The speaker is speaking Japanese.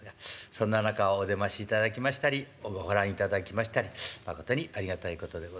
そんな中をお出ましいただきましたりご覧いただきましたりまことにありがたいことでございますが。